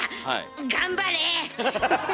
頑張れ！